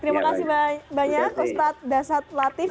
terima kasih banyak ustadz dasat latif